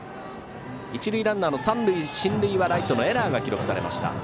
一塁ランナーの三塁進塁はライトのエラーが記録されました。